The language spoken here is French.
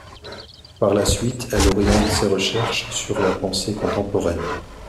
Par la suite elle oriente ses recherches sur la pensée contemporaine.